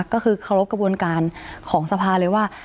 ก็คือเคารพกระบวนการของสภาเลยว่า